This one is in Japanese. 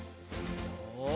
よし。